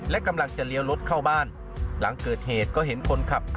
และกำลังจะเลี้ยวรถเข้าบ้านหลังเกิดเหตุก็เห็นคนขับ